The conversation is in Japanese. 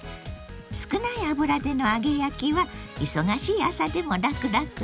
少ない油での揚げ焼きは忙しい朝でも楽々よ。